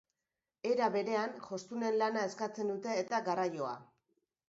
Era berean, jostunen lana eskatzen dute eta garraioa.